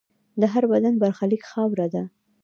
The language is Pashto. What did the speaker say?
د هر بدن برخلیک خاوره ده.